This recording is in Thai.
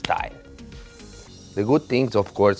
สาวเฉพาะอังกฤษ